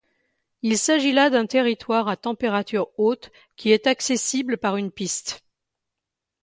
Il s'agit là d'un territoire à température haute qui est accessible par une piste.